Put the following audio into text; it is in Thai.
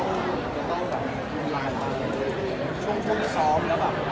ทั้งกันจบประมาณเมื่ออาทิตย์หรือทางหลัง